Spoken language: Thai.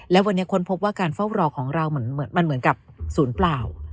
และวันนี้ค้นพบว่าการเฝ้ารอของเรามันเหมือนกับศูนย์เปล่า